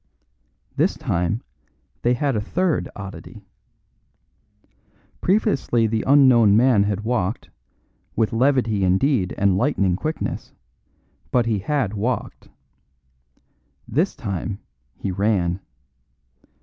This time they had a third oddity. Previously the unknown man had walked, with levity indeed and lightning quickness, but he had walked. This time he ran.